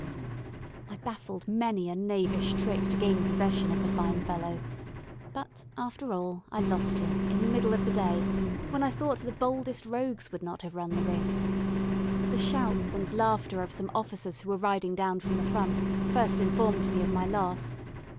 I baffled many a knavish trick to gain possession of the fine fellow; but, after all, I lost him in the middle of the day, when I thought the boldest rogues would not have run the risk. The shouts and laughter of some officers who were riding down from the front first informed me of my loss.